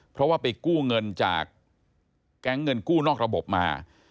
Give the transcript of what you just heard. เพราะว่าไปกู้เงินจากแก๊งเงินกู้นอกระบบมา